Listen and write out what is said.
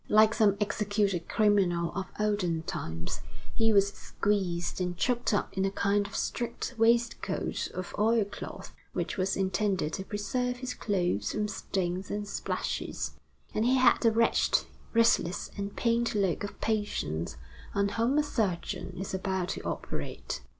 Like some executed criminal of olden times, he was squeezed and choked up in a kind of straight waistcoat of oilcloth, which was intended to preserve his clothes from stains and splashes; and he had the wretched, restless, and pained look of patients on whom a surgeon is about to operate.